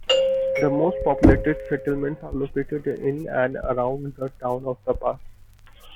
The most populated settlements are located in and around the Town of The Pas.